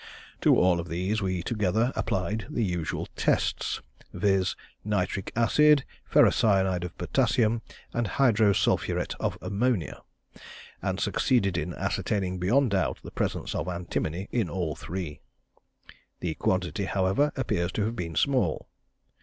To all of these we together applied the usual tests, viz., nitric acid, ferrocyanide of potassium, and hydrosulphuret of ammonia, and succeeded in ascertaining beyond doubt the presence of antimony in all three. The quantity, however, appears to have been small.